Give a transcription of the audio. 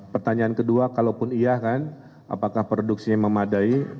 pertanyaan kedua kalaupun iya kan apakah produksinya memadai